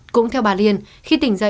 cũng theo bà liên khi tỉnh dậy